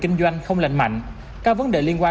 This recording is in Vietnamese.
kinh doanh không lành mạnh các vấn đề liên quan